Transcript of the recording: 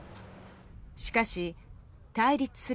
しかし、対立する